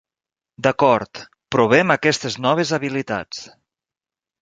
D'acord, provem aquestes noves habilitats!